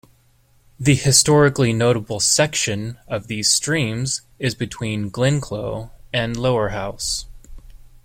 The historically notable section of these streams is between Ginclough and Lowerhouse.